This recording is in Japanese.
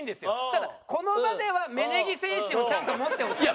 ただこの場では芽ネギ精神をちゃんと持ってほしい。